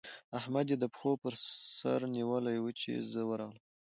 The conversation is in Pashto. احمد يې د پښو پر سره نيولی وو؛ چې زه ورغلم.